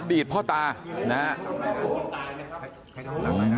อดีตพ่อตานะครับ